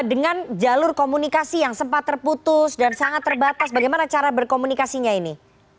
dengan jalur komunikasi yang sempat terputus dan sangat terbatas bagaimana cara berkomunikasinya ini